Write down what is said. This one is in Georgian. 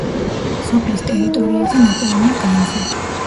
სოფლის ტერიტორიაზე ნაპოვნია განძი.